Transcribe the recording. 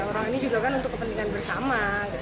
orang ini juga kan untuk kepentingan bersama